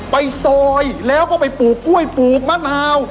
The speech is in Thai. ไปซอยแล้วก็ไปปลูกกล้วยปลูกมะนาว